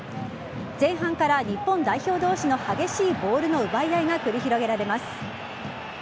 前半から日本代表同士の激しいボールの奪い合いが繰り広げられます。